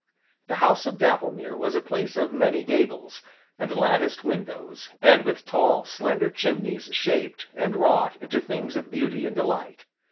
The House of Dapplemere was a place of many gables, and latticed windows, and with tall, slender chimneys shaped, and wrought into things of beauty and delight.